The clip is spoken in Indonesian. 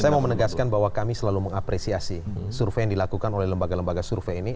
saya mau menegaskan bahwa kami selalu mengapresiasi survei yang dilakukan oleh lembaga lembaga survei ini